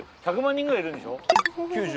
９０１００万人くらいいるんでしょ？